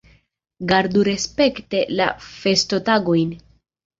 Gardu respekte la festotagojn.